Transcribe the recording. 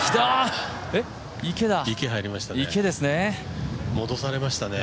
池入りましたね。